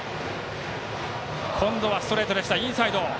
今度はストレートでしたインサイド。